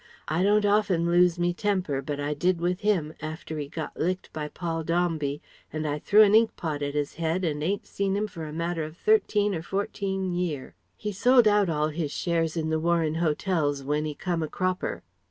I don't often lose me temper but I did with him, after he got licked by Paul Dombey, and I threw an inkpot at his head and ain't seen him for a matter of thirteen or fourteen year. He sold out all his shares in the Warren Hotels when he came a cropper."